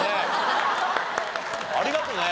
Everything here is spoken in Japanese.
ありがとね！